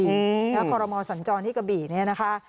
อืมครับคอลโรมอสัญจรภิกฎินี้นะคะ